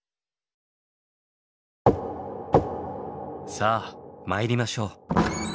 さあ参りましょう。